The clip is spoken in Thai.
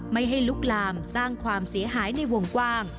ไม่ให้ลุกลามสร้างความเสียหายในวงกว้าง